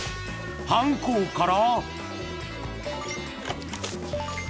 ［犯行から］